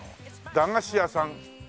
駄菓子屋さん。